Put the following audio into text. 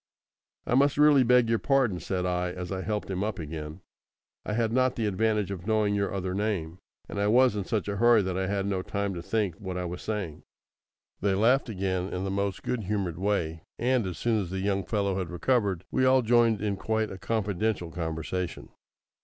"I must really beg your pardon," said I, as I helped him up again. "I had not the advantage of knowing your other name, and I was in such a hurry that I had no time to think what I was saying." They laughed again in the most good humoured way, and, as soon as the young fellow had recovered, we all joined in quite a confidential conversation.